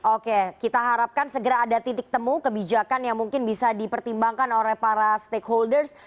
oke kita harapkan segera ada titik temu kebijakan yang mungkin bisa dipertimbangkan oleh para stakeholders